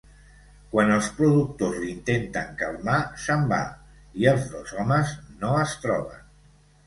Quan els productors l'intenten calmar, se'n va i els dos homes no es troben.